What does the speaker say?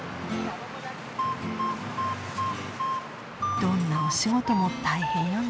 どんなお仕事も大変よね。